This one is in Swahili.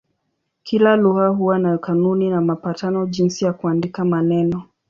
Kila lugha huwa na kanuni na mapatano jinsi ya kuandika maneno.